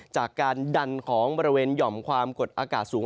จากการดันของบริเวณหย่อมความกดอากาศสูง